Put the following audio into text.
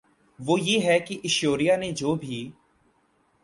وہ یہ ہے کہ ایشوریا نے جو بھی